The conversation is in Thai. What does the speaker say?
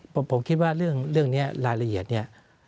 ผมคิดว่าเรื่องนี้รายละเอียดเนี่ย